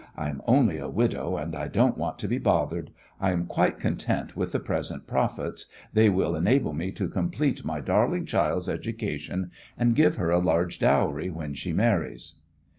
I am only a widow, and I don't want to be bothered. I am quite content with the present profits, they will enable me to complete my darling child's education and give her a large dowry when she marries."